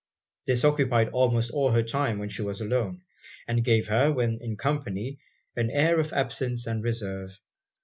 This occupied almost all her time when she was alone; and gave her, when in company, an air of absence and reserve.